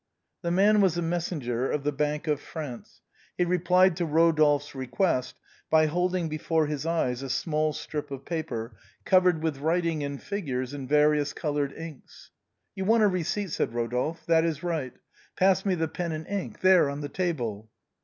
The man was a messenger of the Bank of France. He replied to Eodolphe's request by holding before his eyes a small strip of paper covered with writing and figures in various colored inks. " You want a receipt," said Rodolphe. " That is right. Pass me the pen and ink. There, on the table."